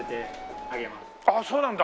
ああそうなんだ！